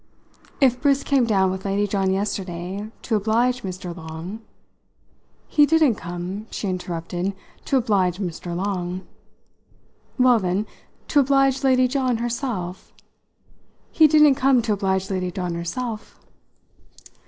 If Briss came down with Lady John yesterday to oblige Mr. Long " "He didn't come," she interrupted, "to oblige Mr. Long!" "Well, then, to oblige Lady John herself " "He didn't come to oblige Lady John herself!"